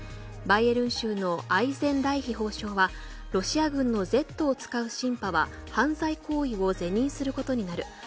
バイエルン州のアイゼンライヒ法相はロシア軍のＺを使うシンパは犯罪行為を是認することになる。